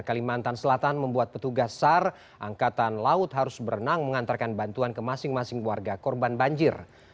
kalimantan selatan membuat petugas sar angkatan laut harus berenang mengantarkan bantuan ke masing masing warga korban banjir